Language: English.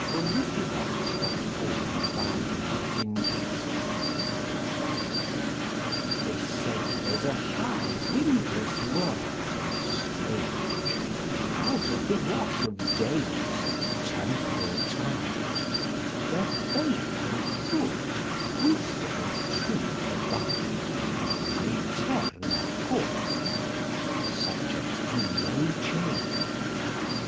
The Pacific, October 1913 Mutability They say there's a high windless world and strange, Out of the wash of days and temporal tide, Where Faith and Good, Wisdom and Truth abide, 'Aeterna corpora', subject to no change.